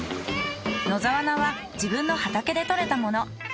野沢菜は自分の畑で採れたもの。